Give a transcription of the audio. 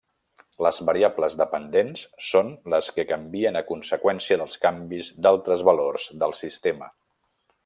Les variables dependents són les que canvien a conseqüència de canvis d'altres valors del sistema.